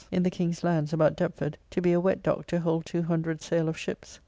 ] in the King's lands about Deptford, to be a wett dock to hold 200 sail of ships.